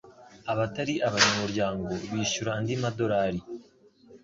Abatari abanyamuryango bishyura andi madolari .